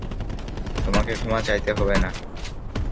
তোমাকে ক্ষমা চাইতে হবেনা।